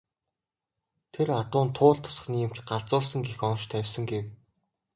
Тэр адуунд Туул тосгоны эмч "галзуурсан" гэх онош тавьсан гэж гэв.